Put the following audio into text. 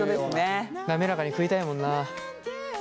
滑らかに食いたいもんなあ。